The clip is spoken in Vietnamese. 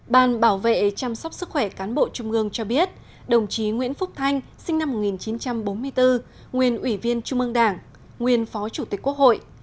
bàn bảo vệ chăm sóc sức khỏe cán bộ trung ương cho biết đồng chí nguyễn phúc thanh sinh năm một nghìn chín trăm bốn mươi bốn nguyên ủy viên trung ương đảng nguyên phó chủ tịch quốc hội